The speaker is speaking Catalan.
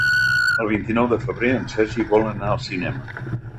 El vint-i-nou de febrer en Sergi vol anar al cinema.